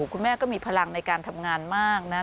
ก็มีพลังในการทำงานมากนะ